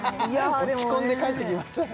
落ち込んで帰ってきましたね